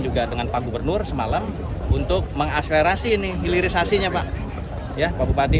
juga dengan pak gubernur semalam untuk mengakselerasi ini hilirisasinya pak ya pak bupati